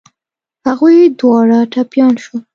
هغوی دواړه ټپيان شول.